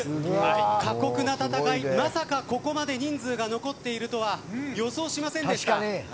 過酷な戦い、まさかここまで人数が残っているとは予想しませんでした。